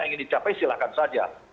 ingin dicapai silakan saja